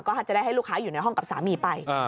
ก็จะได้ให้ลูกค้าอยู่ในห้องกับสามีไป